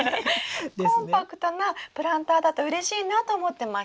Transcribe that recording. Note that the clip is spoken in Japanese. コンパクトなプランターだとうれしいなと思ってました。